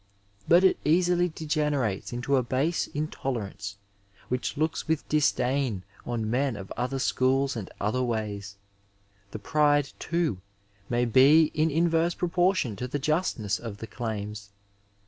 But it easily degenerates into a base intolerance which looks with disdain on men of other Bchoob and other ways. The pride, too, may be in in verse proportion to the justness of the claims.